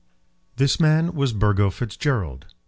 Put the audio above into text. This man was Burgo Fitzgerald.